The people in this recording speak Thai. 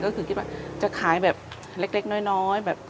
ก็คือคิดว่าจะขายแบบเล็กน้อยแบบ